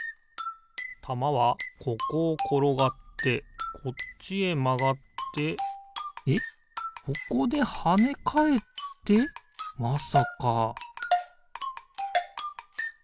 たまはここをころがってこっちへまがってえっここではねかえってまさかピッ！